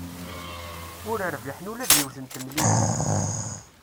Ur rbiḥen ula d yiwet n temilit.